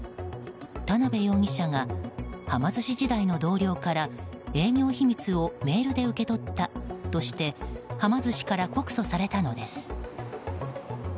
田辺容疑者がはま寿司時代の同僚から営業秘密をメールで受け取ったとしてはま寿司から告訴されたのです。